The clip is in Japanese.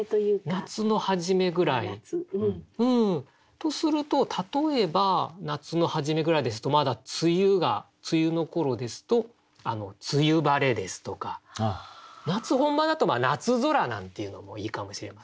夏の初めぐらい。とすると例えば夏の初めぐらいですとまだ梅雨の頃ですと「梅雨晴」ですとか夏本番だと「夏空」なんていうのもいいかもしれませんね。